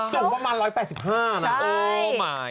สูงประมาณ๑๘๕นะ